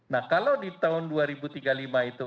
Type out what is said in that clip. nah kalau di tahun dua ribu tiga puluh lima itu